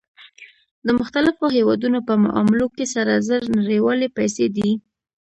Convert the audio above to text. د مختلفو هېوادونو په معاملو کې سره زر نړیوالې پیسې دي